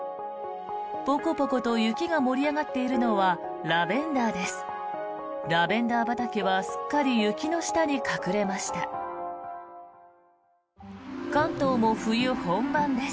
ポコポコと雪が盛り上がっているのはラベンダーです。